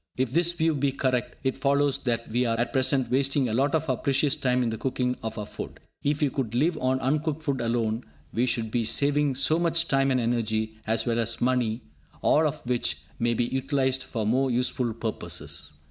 If this view be correct, it follows that we are at present wasting a lot of our precious time in the cooking of our food. If we could live on uncooked food alone, we should be saving so much time and energy, as well as money, all of which may be utilised for more useful purposes.